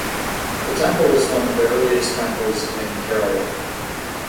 The temple is one of the earliest temples in Kerala.